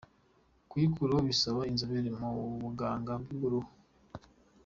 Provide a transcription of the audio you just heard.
Kuyikuraho bisaba inzobere mu buganga bw’uruhu.